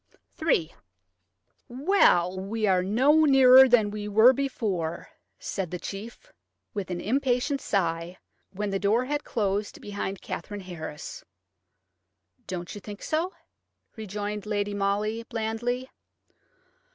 3 "WELL! we are no nearer than we were before," said the chief, with an impatient sigh, when the door had closed behind Katherine Harris. "Don't you think so?" rejoined Lady Molly, blandly.